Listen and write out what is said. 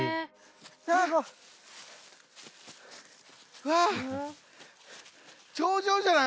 うわ頂上じゃない？